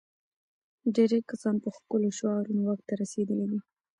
ډېری کسان په ښکلو شعارونو واک ته رسېدلي دي.